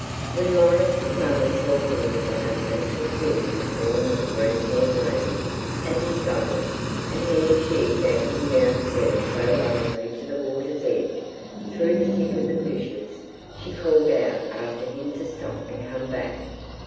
When Maurice's mother saw him with that unnatural thing in the form of a green haired lady as his guide, and he and she dancing down together so lovingly to the water's edge, through the thick of the fishes, she called out after him to stop and come back.